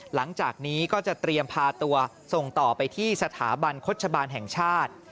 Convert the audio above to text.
หลังจากนี้ก็จะเตรียมพาตัวส่งต่อไปที่สถาบันโฆษบาลแห่งชาติ